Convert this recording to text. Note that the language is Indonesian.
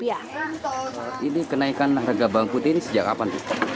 ini kenaikan harga bawang putih ini sejak kapan